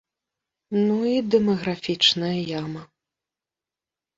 Ну і дэмаграфічная яма.